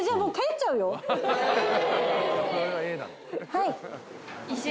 はい。